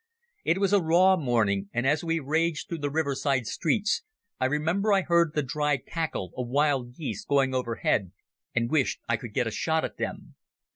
It was a raw morning, and as we raged through the river side streets I remember I heard the dry crackle of wild geese going overhead, and wished I could get a shot at them.